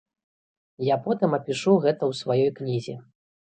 Я потым апішу гэта ў сваёй кнізе.